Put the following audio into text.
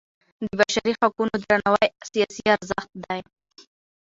د بشري حقونو درناوی سیاسي ارزښت دی